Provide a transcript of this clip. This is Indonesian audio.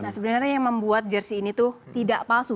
nah sebenarnya yang membuat jersi ini tuh tidak palsu